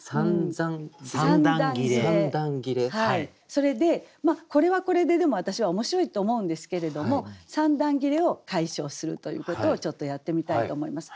それでこれはこれででも私は面白いと思うんですけれども三段切れを解消するということをちょっとやってみたいと思います。